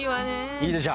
いいでしょ？